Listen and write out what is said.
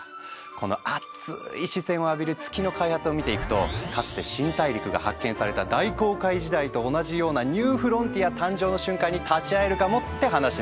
このあっつい視線を浴びる月の開発を見ていくとかつて新大陸が発見された大航海時代と同じようなニューフロンティア誕生の瞬間に立ち会えるかもって話なのよ。